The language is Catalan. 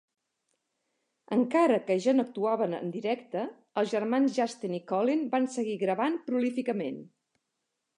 Encara que ja no actuaven en directe, els germans Justin i Colin van seguir gravant prolíficament.